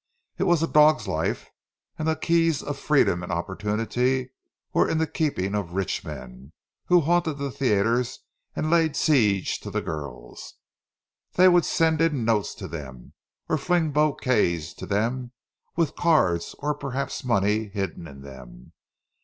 It was a dog's life; and the keys of freedom and opportunity were in the keeping of rich men, who haunted the theatres and laid siege to the girls. They would send in notes to them, or fling bouquets to them, with cards, or perhaps money, hidden in them.